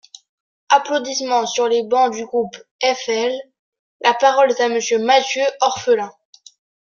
(Applaudissements sur les bancs du groupe FI.) La parole est à Monsieur Matthieu Orphelin.